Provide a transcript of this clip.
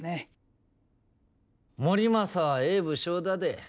盛政はええ武将だで。